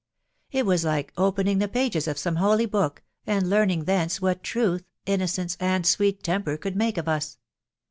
It was like opening the pages of some holy book, and learning thence what truth, innocence, and sweet temper could make of us.